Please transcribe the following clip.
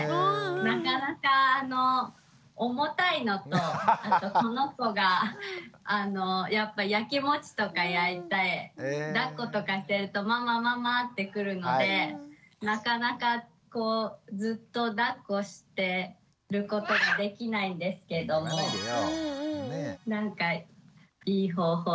なかなかあの重たいのとこの子がやっぱやきもちとかやいてだっことかしてるとママママって来るのでなかなかこうずっとだっこしてることもできないんですけどもなんかいい方法とかないかなと思って。